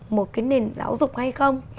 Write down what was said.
một cái nền giáo dục hay không